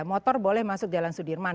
motor boleh masuk jalan sudirman